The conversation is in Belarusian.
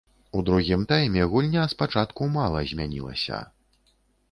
У другім тайме гульня спачатку мала змянілася.